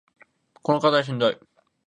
この課題しんどい